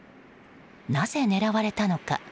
なぜ狙われたのか。